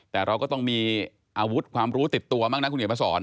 แต่เราก็ต้องมีอาวุธความรู้ติดตัวบ้างนะคุณเขียนมาสอน